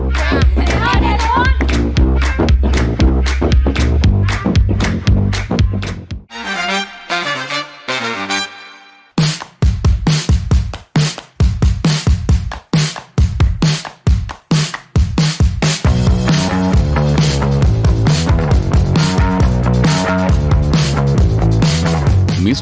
เฮ้อเดี๋ยวรู้น่ะ